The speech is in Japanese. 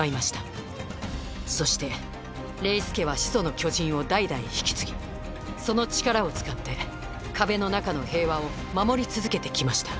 そしてレイス家は「始祖の巨人」を代々引き継ぎその力を使って壁の中の平和を守り続けてきました。